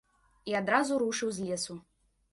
І адразу рушыў з лесу.